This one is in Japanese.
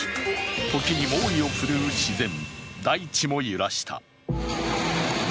時に猛威を振るう自然、大地も揺らした。